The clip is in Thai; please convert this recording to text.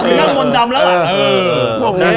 นั่งมนต์ดำแล้วอ่ะ